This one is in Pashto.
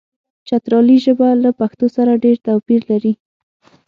چترالي ژبه له پښتو سره ډېر توپیر لري.